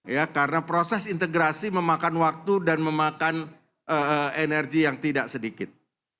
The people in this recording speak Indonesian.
ya karena proses integrasi memakan waktu dan memakan energi yang tidak sedikit